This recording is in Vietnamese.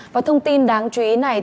và thông tin đáng chú ý này